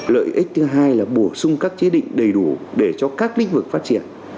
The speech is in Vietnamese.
lợi ích thứ hai là bổ sung các chế định đầy đủ để cho các lĩnh vực phát triển